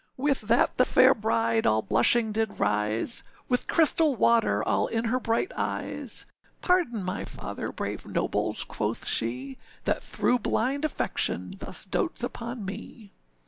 â With that the fair bride all blushing did rise, With crystal water all in her bright eyes, âPardon my father, brave nobles,â quoth she, âThat through blind affection thus doats upon me.